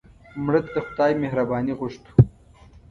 مړه ته د خدای مهرباني غوښتو